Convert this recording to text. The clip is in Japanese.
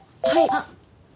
あっ。